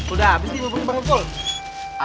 udah abis ini bubur kebang kebul